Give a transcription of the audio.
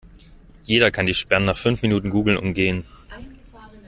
Jeder kann die Sperren nach fünf Minuten Googlen umgehen.